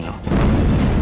dan pak nino